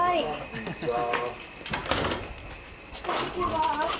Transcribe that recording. こんにちは。